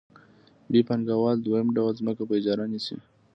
ب پانګوال دویم ډول ځمکه په اجاره نیسي